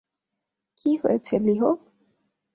কি হয়েছে, লিহ?